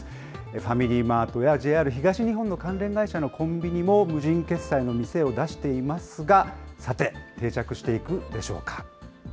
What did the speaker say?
ファミリーマートやＪＲ東日本の関連会社のコンビニも無人決済の店を出していますが、さて、定着していくでしょうか。